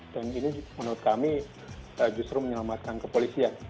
dan ini menurut kami justru menyelamatkan kepolisian